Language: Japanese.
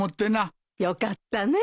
よかったね。